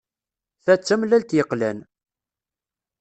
Ta d tamellalt yeqlan.